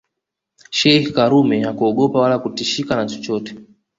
Sheikh karume hakuogopa wala kutishika na chochote